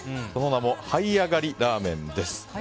その名もはいあがりラーメンです。